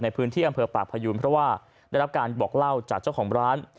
ในพื้นที่อำเภอปากพยูนเพราะว่าได้รับการบอกเล่าจากเจ้าของร้าน